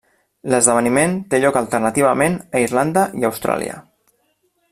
L'esdeveniment té lloc alternativament a Irlanda i Austràlia.